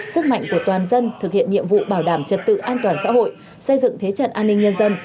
sức mạnh của toàn dân thực hiện nhiệm vụ bảo đảm trật tự an toàn xã hội xây dựng thế trận an ninh nhân dân